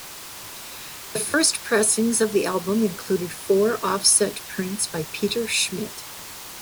The first pressings of the album included four offset prints by Peter Schmidt.